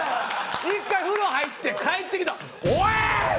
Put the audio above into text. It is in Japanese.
１回風呂入って帰ってきたら。